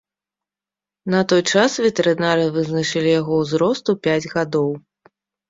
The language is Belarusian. На той час ветэрынары вызначылі яго ўзрост у пяць гадоў.